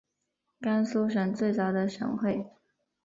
甘肃省最早的省会。